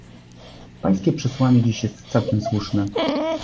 Pańskie przesłanie dziś jest całkiem słuszne